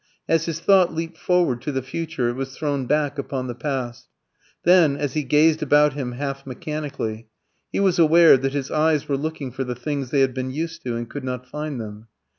As his thought leaped forward to the future it was thrown back upon the past. Then, as he gazed about him half mechanically, he was aware that his eyes were looking for the things they had been used to, and could not find them.